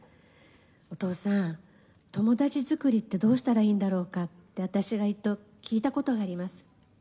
お父さん、友達作りってどうしたらいいんだろうかって、私が一度、聞いたことがあります。